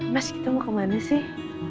mas kita mau kemana sih